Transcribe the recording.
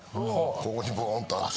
ここにボーンとあって。